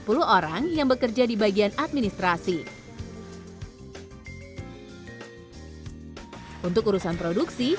tahap secara langsung mereka menghasilkan rightly undang undang kecuali untuk memiliki hasil utama untuk usama